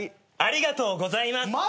ありがとうございます。